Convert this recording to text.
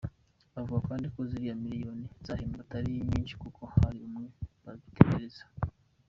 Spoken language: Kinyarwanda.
avuga kandi ko, ziriya Miliyoni bahembwe atari nyinshi nk’uko hari bamwe babitekereza.